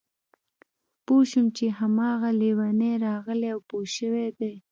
پوه شوم چې هماغه لېونی راغلی او پوه شوی دی